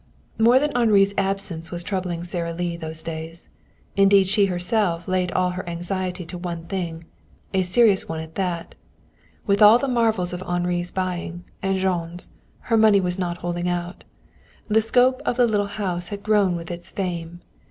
More than Henri's absence was troubling Sara Lee those days. Indeed she herself laid all her anxiety to one thing, a serious one at that. With all the marvels of Henri's buying, and Jean's, her money was not holding out. The scope of the little house had grown with its fame.